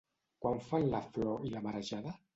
Quan fan La flor i la marejada?